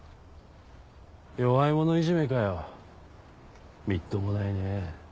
弱い者いじめかよみっともないね。